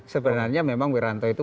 sebenarnya memang wiranto itu